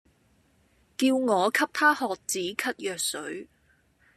叫我給她喝止咳藥水